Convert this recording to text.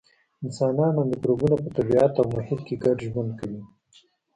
انسانان او مکروبونه په طبیعت او محیط کې ګډ ژوند کوي.